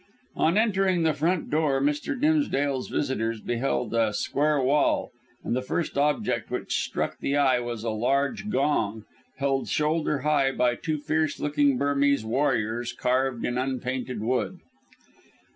On entering the front door Mr. Dimsdale's visitors beheld a square hall, and the first object which struck the eye was a large gong, held shoulder high by two fierce looking Burmese warriors carved in unpainted wood.